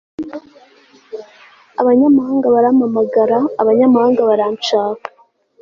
abanyamahanga barampamagara, abanyamahanga baranshaka